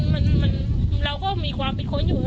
ค่ะมันเราก็มีความผิดค้นอยู่